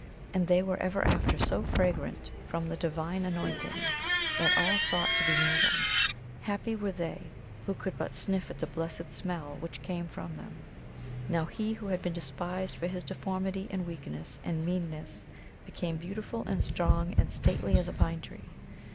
And they were ever after so fragrant from the divine anointing that all sought to be near them. Happy were they who could but sniff at the blessed smell which came from them. Now he who had been despised for his deformity and weakness and meanness became beautiful and strong and stately as a pine tree.